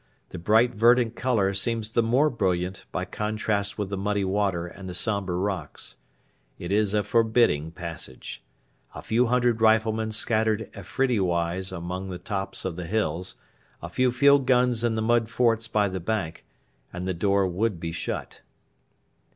The bright verdant colour seems the more brilliant by contrast with the muddy water and the sombre rocks. It is a forbidding passage. A few hundred riflemen scattered Afridiwise among the tops of the hills, a few field guns in the mud forts by the bank, and the door would be shut.